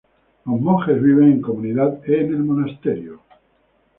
Los monjes viven en comunidad en el monasterio.